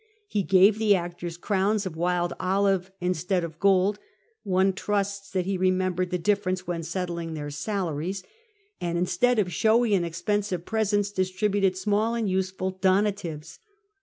He gave the actors crowns of wild olive instead of gold (one trusts that he remembered the difference when settling their salaries), and instead of showy and expensive presents distributed small and useful donatives.